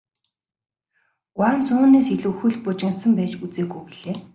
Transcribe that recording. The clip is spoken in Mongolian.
Гуанз үүнээс илүү хөл бужигнасан байж үзээгүй билээ.